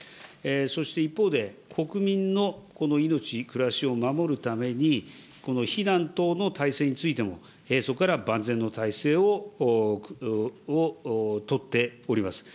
そして一方で、国民のこの命、暮らしを守るために、避難等の体制についても、平素から万全の体制を取っております。